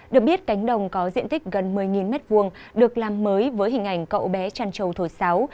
được biết cánh đồng có diện tích gần một mươi m hai được làm mới với hình ảnh cậu bé trăn trầu thổi sáo